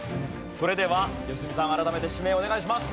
それでは良純さん改めて指名をお願いします。